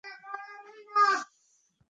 আমি শুধু আপনাকে প্রস্তুত করতে চাইছিলাম।